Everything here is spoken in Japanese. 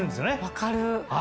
分かる！